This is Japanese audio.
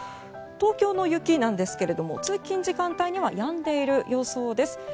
東京の雪なんですが通勤時間帯にはやんでいる予想です。